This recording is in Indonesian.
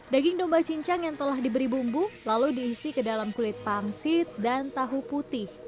daging domba cincang yang telah diberi bumbu lalu diisi ke dalam kulit pangsit dan tahu putih